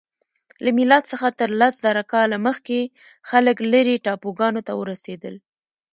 له میلاد څخه تر لس زره کاله مخکې خلک لیرې ټاپوګانو ته ورسیدل.